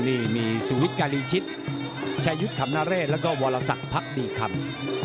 นี่มีสุวิทย์การีชิตแชยุทธ์ขำนาเรชแล้วก็วรศักดิ์พรรคตีคำ